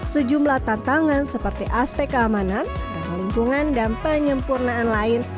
sejumlah tantangan seperti aspek keamanan ramah lingkungan dan penyempurnaan lain